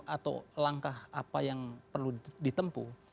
atau langkah apa yang perlu ditempuh